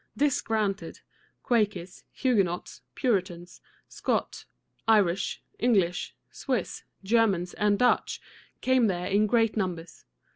This granted, Quakers, Huguenots, Puritans, Scotch, Irish, English, Swiss, Germans, and Dutch came there in great numbers.